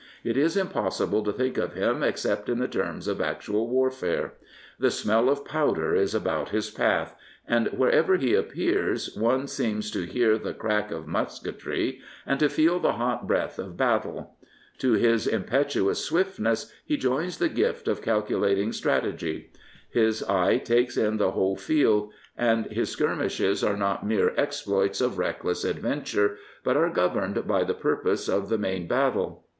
It is impossible to think of him except in the terms oi actual warfare. The smell of powder is about his path, and wherever he appears one seems to hear the crack of musketry and to feel the hot breath of battle. To his impetuous swiftness he joins the gift of calculating strategy. His eye takes in the *H 339 Prophets, Priests, and Kings whole field, and his skirmishes are not mere exploits of reckless adventure, but are governed by the pur pose of the main battle.